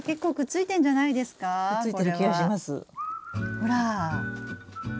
ほら！